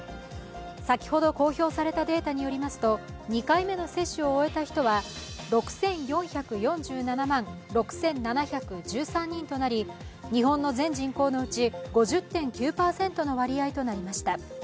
先ほど公表されたデータによりますと２回目の接種を終えた人は６４４７万６７１３人となり日本の全人口のうち５０．９％の割合となりました。